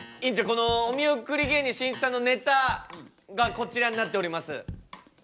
このお見送り芸人しんいちさんのネタがこちらになっております。